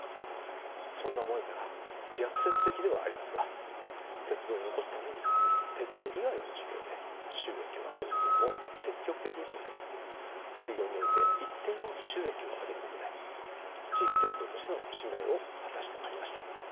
そんな思いから逆説的ではありますが鉄道を残すために鉄道以外の事業で収益を上げることにも積極的に取り組み副業において一定の収益を上げることで地域鉄道としての使命を果たしてまいりました。